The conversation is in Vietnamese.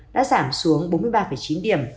đã giảm xuống bốn mươi ba chín điểm